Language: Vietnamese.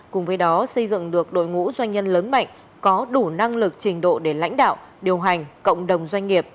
cùng với đó xây dựng được đội ngũ doanh nhân lớn mạnh có đủ năng lực trình độ để lãnh đạo điều hành cộng đồng doanh nghiệp